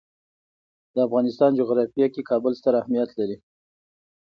د افغانستان جغرافیه کې کابل ستر اهمیت لري.